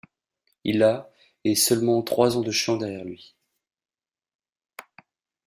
Il a et seulement trois ans de chant derrière lui.